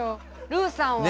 ルーさんは？